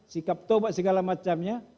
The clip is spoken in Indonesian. sikap tobak segala macamnya